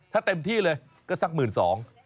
ถ้าเต็มที่เลยก็สักหมื่นสอง